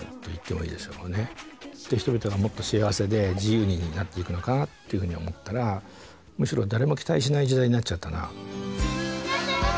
人々がもっと幸せで自由になっていくのかなっていうふうに思ったらむしろ誰も期待しない時代になっちゃったな。